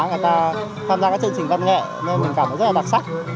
người ta tham gia các chương trình văn nghệ nơi mình cảm thấy rất là đặc sắc